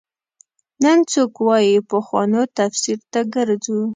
نن څوک وايي پخوانو تفسیر ته ګرځو.